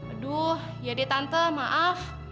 aduh ya di tante maaf